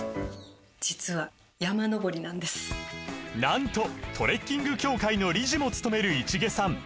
実はなんとトレッキング協会の理事もつとめる市毛さん